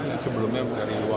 yang sebelumnya dari luar